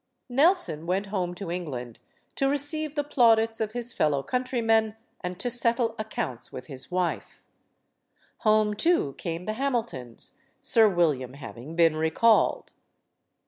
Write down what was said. Nelson went home to England to receive the plaudits of his fellow countrymen and to settle accounts with his wife. Home, too, came the Hamiltons, Sir William having been recalled.